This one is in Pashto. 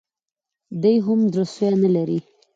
دی هم زړه سوی نه لري